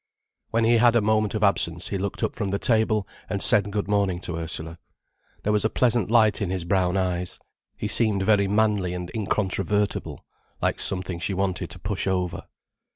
When he had a moment of absence, he looked up from the table and said good morning to Ursula. There was a pleasant light in his brown eyes. He seemed very manly and incontrovertible, like something she wanted to push over.